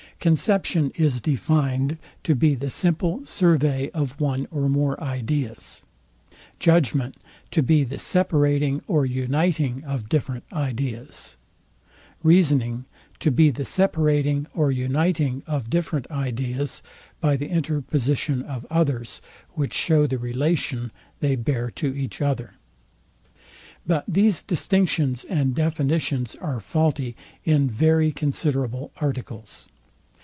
Conception is defind to be the simple survey of one or more ideas: Judgment to be the separating or uniting of different ideas: Reasoning to be the separating or uniting of different ideas by the interposition of others, which show the relation they bear to each other. But these distinctions and definitions are faulty in very considerable articles.